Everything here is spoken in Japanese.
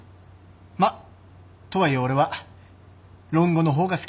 まっとはいえ俺は論語の方が好きなんだけどね。